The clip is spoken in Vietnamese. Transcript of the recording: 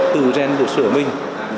tự rèn được sửa mình